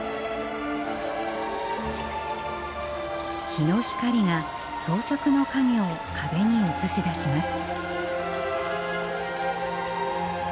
日の光が装飾の影を壁に映し出します。